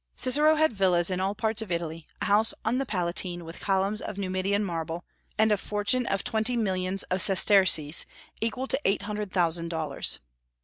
Cicero had villas in all parts of Italy, a house on the Palatine with columns of Numidian marble, and a fortune of twenty millions of sesterces, equal to eight hundred thousand dollars.